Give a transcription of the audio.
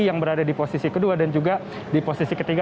yang berada di posisi kedua dan juga di posisi ketiga